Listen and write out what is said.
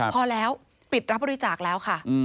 พอแล้วปิดรับบริจาคแล้วค่ะ